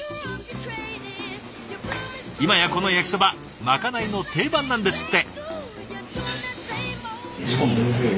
今やこの焼きそばまかないの定番なんですって。